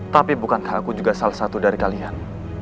tapi bukankah aku juga salah satu dari kalian